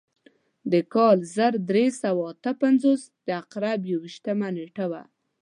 د کال زر درې سوه اته پنځوس د عقرب یو ویشتمه نېټه وه.